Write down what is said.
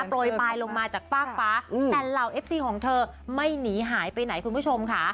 โปรยปลายลงมาจากฟากฟ้าแต่เหล่าเอฟซีของเธอไม่หนีหายไปไหนคุณผู้ชมค่ะ